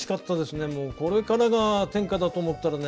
これからが天下だと思ったらね